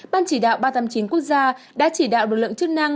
ban chỉ đạo ba trăm tám mươi chín quốc gia đã chỉ đạo lực lượng chức năng